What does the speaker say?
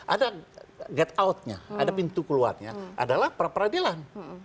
ada get out nya ada pintu keluarnya adalah pra peradilan